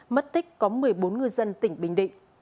mất tích có một mươi bốn ngư dân tỉnh bình định